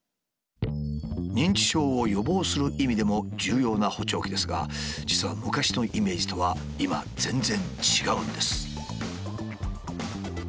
認知症を予防する意味でも重要な補聴器ですが実は昔のイメージとは今全然違うんですよ。